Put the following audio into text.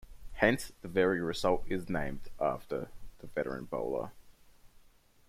Hence, the very result is named after the veteran bowler.